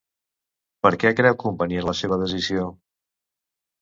Per què creu convenient la seva decisió?